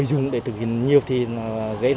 dán đè lên mã qr